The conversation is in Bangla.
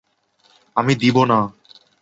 আমি দিব না!